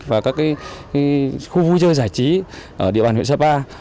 và các khu vui chơi giải trí ở địa bàn huyện sapa